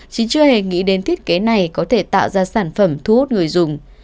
chứ chưa hề nghĩ đến thiết kế này có thể tạo ra sản phẩm thu hút người dùng